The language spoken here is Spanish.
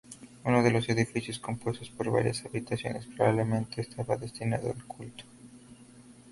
Uno de los edificios, compuesto por varias habitaciones, probablemente estaba destinado al culto.